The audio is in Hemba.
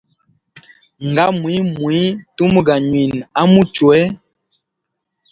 Nga mwiimwii, tumu ganywina a muchwe.